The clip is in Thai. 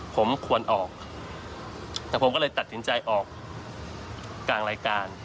ผมควรออกแต่ผมก็เลยตัดสินใจออกกลางรายการ